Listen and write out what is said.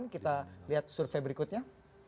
kita lihat survei berikutnya